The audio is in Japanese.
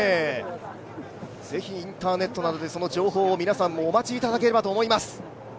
ぜひインターネットなどでその情報を皆さんもお待ちいただければと思います。